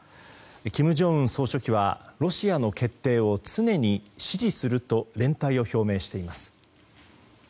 金正恩総書記はロシアの決定を常に支持すると連帯を表明しています。